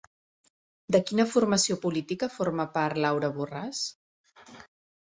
De quina formació política forma part Laura Borràs?